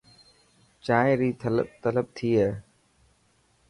چائين ري طلب ٿي هي.